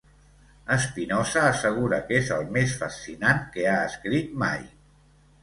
Espinosa assegura que és el més fascinant que ha escrit mai.